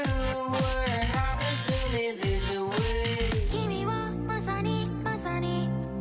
「君はまさにまさに」